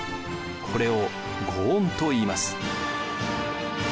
これを御恩といいます。